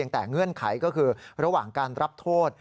แต่เงื่อนไขก็คือระหว่างการรับโทษ